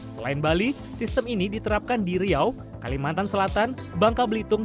selain bali sistem ini diterapkan di riau kalimantan selatan bangka belitung